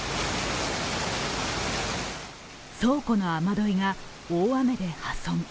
倉庫の雨どいが大雨で破損。